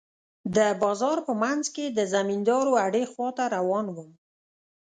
د بازار په منځ کښې د زمينداورو اډې خوا ته روان وم.